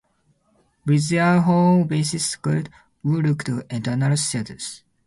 With their home base secured, Wu looked to external threats.